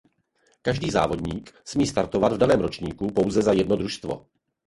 Každý závodník smí startovat v daném ročníku pouze za jedno družstvo.